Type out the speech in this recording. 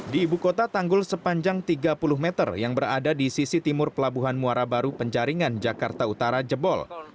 di ibu kota tanggul sepanjang tiga puluh meter yang berada di sisi timur pelabuhan muara baru penjaringan jakarta utara jebol